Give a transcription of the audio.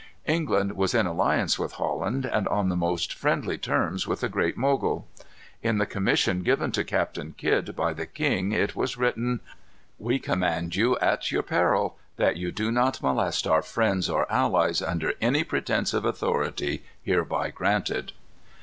England was in alliance with Holland, and on the most friendly terms with the Great Mogul. In the commission given to Captain Kidd by the king it was written: "We command you at your peril, that you do not molest our friends or allies, under any pretence of authority hereby granted."